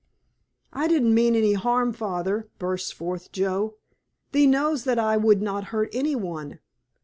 "I didn't mean any harm, Father," burst forth Joe, "thee knows that I would not hurt any one!